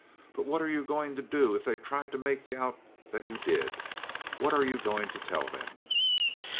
"But what are you going to do if they try to make out that you did? What are you going to tell them?"